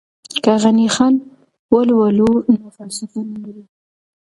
که غني خان ولولو نو فلسفه نه مري.